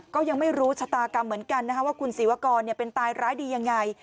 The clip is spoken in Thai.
ก็ยังไม่รู้ชะตากรรมเหมือนกันว่าคุณศิวกรเป็นตายร้ายดียังไง